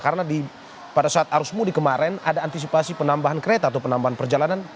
karena pada saat arus mudi kemarin ada antisipasi penambahan kereta atau penambahan perjalanan